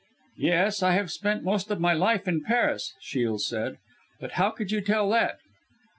"Yes! I have spent most of my life in Paris," Shiel said. "But how could you tell that?"